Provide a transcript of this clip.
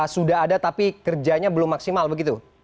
sudah ada tapi kerjanya belum maksimal begitu